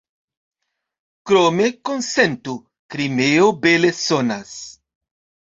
Krome, konsentu, "Krimeo" bele sonas.